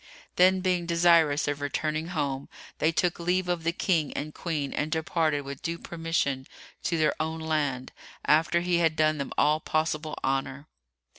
Then, being desirous of returning home, they took leave of the King and Queen and departed with due permission to their own land, after he had done them all possible honour.